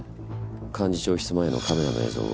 幹事長室前のカメラの映像を。